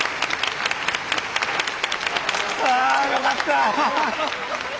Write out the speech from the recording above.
よかった！